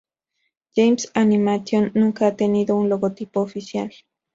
Games Animation nunca ha tenido un logotipo oficial.